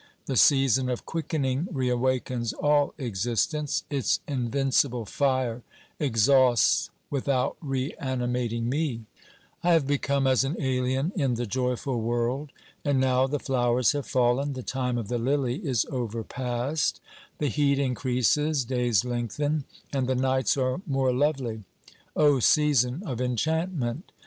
The season of quickening reawakens all existence, its OBERMANN 319 invincible fire exhausts without reanimating me; I have become as an alien in the joyful world. And now the flowers have fallen, the time of the lily is over passed ; the heat increases, days lengthen, and the nights are more lovely. 0 season of enchantment !